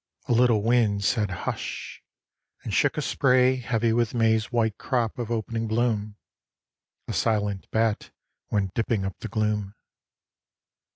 A little wind said " Hush !" and shook a spray Heavy with May's white crop of opening bloom, A silent bat went dipping up the gloom.